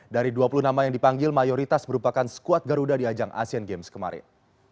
dari dua puluh nama yang dipanggil mayoritas merupakan skuad garuda di ajang asean games kemarin